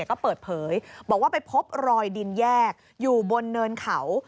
ก็เปิดเผยบอกว่าไปพบรอยดินแยกอยู่บนเนินเขา